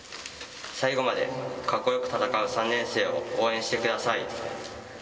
最後までかっこよく戦う３年生を応援してください。